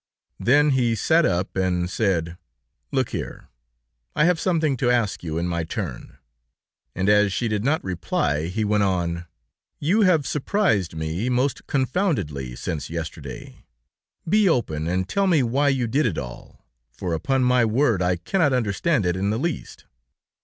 Then he sat up, and said: "Look here, I have something to ask you, in my turn." And as she did not reply, he went on: "You have surprised me most confoundedly since yesterday. Be open, and tell me why you did it all, for upon my word I cannot understand it in the least."